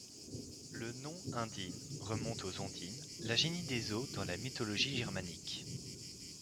Le nom Undine remonte aux ondines, la génie des eaux dans la mythologie germanique.